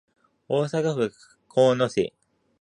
大阪府交野市